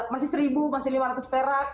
masih seribu masih lima ratus perak